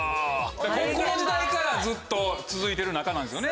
高校時代からずっと続いてる仲なんですよね？